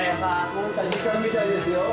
なんか時間みたいですよ。